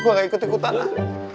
gue gak ikut ikutan lah